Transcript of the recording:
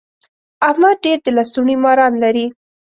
احمد ډېر د لستوڼي ماران لري.